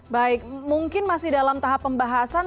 baik mungkin masih dalam tahap pembahasan